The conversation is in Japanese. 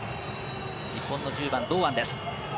日本の１０番・堂安です。